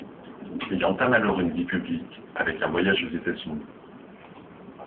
Il entame alors une vie publique, avec un voyage aux États-Unis.